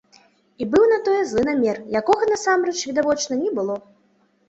І быў на тое злы намер, якога насамрэч, відавочна, не было.